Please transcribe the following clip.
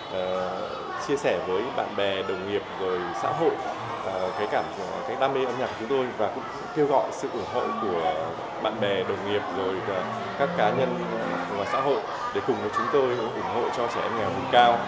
chúng tôi sẽ chia sẻ với bạn bè đồng nghiệp xã hội đam mê âm nhạc của chúng tôi và kêu gọi sự ủng hộ của bạn bè đồng nghiệp các cá nhân xã hội để cùng với chúng tôi ủng hộ cho trẻ em nghèo vùng cao